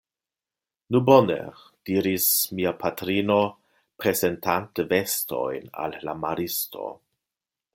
Nu bone! diris mia patrino, prezentante vestojn al la maristo.